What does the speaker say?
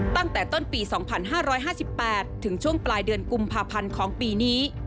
ตั้งแต่ต้นปี๒๕๕๘ถึงช่วงปลายเดือนกุมภาพันธ์ของปีนี้